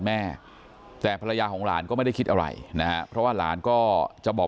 แม่แต่ภรรยาของหลานก็ไม่ได้คิดอะไรนะฮะเพราะว่าหลานก็จะบอก